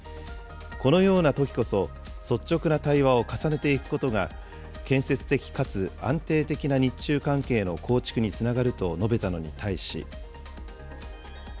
このようなときこそ率直な対話を重ねていくことが、建設的かつ安定的な日中関係の構築につながると述べたのに対し。